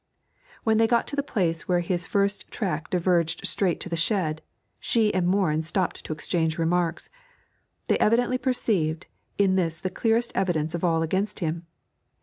When they got to the place where his first track diverged straight to the shed, she and Morin stopped to exchange remarks; they evidently perceived in this the clearest evidence of all against him.